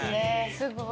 すごい！